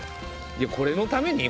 これのために。